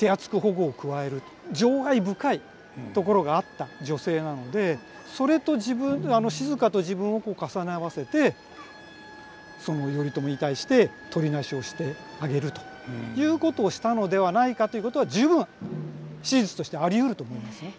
情愛深いところがあった女性なのでそれと自分静と自分を重ね合わせて頼朝に対してとりなしをしてあげるということをしたのではないかということは十分史実としてありうると思いますね。